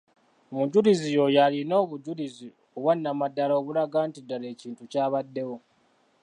Omujulizi y'oyo alina obujulizi obwanamaddala obulaga nti ddala ekintu kyabaddewo.